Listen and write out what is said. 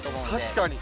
確かに。